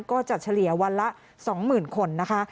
เฉลี่ยวันละ๒๐๐๐คนนะคะ